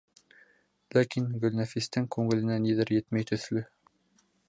Ләкин Гөлнәфистең күңеленә ниҙер етмәй төҫлө.